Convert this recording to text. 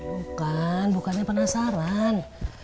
bukan bukannya penasaran